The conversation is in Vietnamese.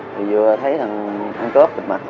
thì vừa thấy thằng cớp kịp mặt